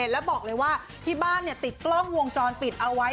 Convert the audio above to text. แล้วบอกเลยว่าที่บ้านติดกล้องวงจรปิดเอาไว้